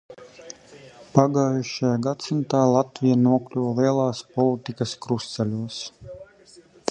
Pagājušajā gadsimtā Latvija nokļuva lielās politikas krustceļos.